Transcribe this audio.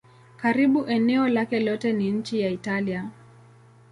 Karibu eneo lake lote ni nchi ya Italia.